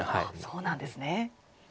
そうなんですね。